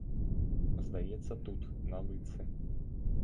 Здаецца, тут, на лытцы.